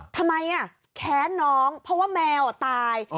ทำไมอ่ะแค้นน้องเพราะว่าแมวอ่ะตาย